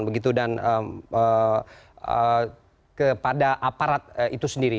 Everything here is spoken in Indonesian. begitu dan kepada aparat itu sendiri